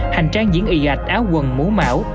hành trang diễn ị ạch áo quần múa mảo